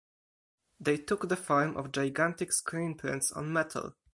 They took the form of gigantic screenprints on metal.